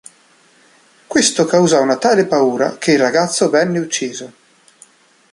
Questo causò una tale paura che il ragazzo venne ucciso.